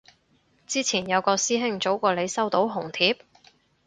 之前有個師兄早過你收到紅帖